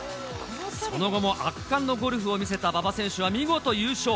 その後も圧巻のゴルフを見せた馬場選手は見事優勝。